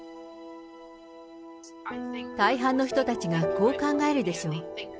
大半の人たちがこう考えるでしょう。